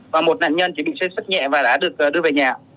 và một nạn nhân chỉ bị xếp sức nhẹ và đã được đưa về nhà